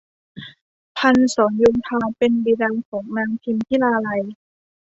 พันศรโยธาเป็นบิดานางพิมพิลาไลย